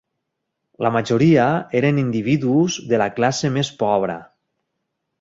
La majoria eren individus de la classe més pobra